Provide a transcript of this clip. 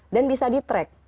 dan bisa di track